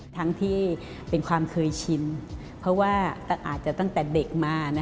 ทั้งที่เป็นความเคยชินเพราะว่าอาจจะตั้งแต่เด็กมา